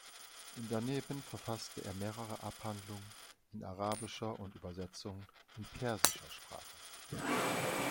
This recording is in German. Daneben verfasste er mehrere Abhandlungen in arabischer und Übersetzungen in persischer Sprache.